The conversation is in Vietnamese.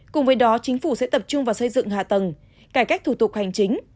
cùng với đó chính phủ sẽ tập trung vào xây dựng hạ tầng cải cách thủ tục hành chính